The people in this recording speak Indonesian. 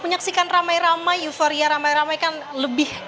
yufaria ramai ramai kan lebih